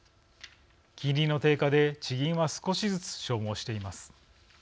金利の低下で、地銀は少しずつ消耗しています。